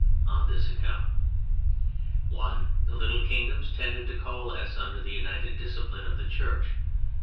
On this account: (1) The little kingdoms tended to coalesce under the united discipline of the Church.